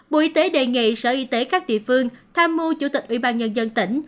bộ y tế đề nghị sở y tế các địa phương tham mưu chủ tịch ủy ban nhân dân tỉnh